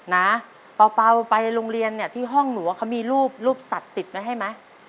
นะเป่าไปโรงเรียนเนี่ยที่ห้องหนูว่าเขามีรูปสัตว์ติดไว้ให้ไหม